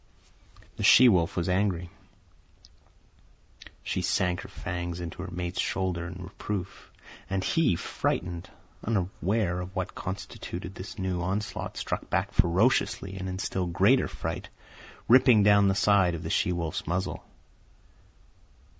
The she wolf was angry. She sank her fangs into her mate's shoulder in reproof; and he, frightened, unaware of what constituted this new onslaught, struck back ferociously and in still greater fright, ripping down the side of the she wolf's muzzle.